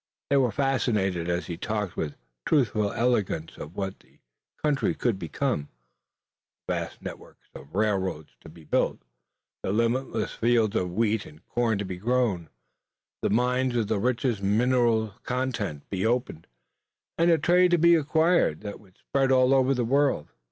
They were fascinated as he talked with truthful eloquence of what the country could become, the vast network of railroads to be built, the limitless fields of wheat and corn to be grown, the mines of the richest mineral continent to be opened, and a trade to be acquired, that would spread all over the world.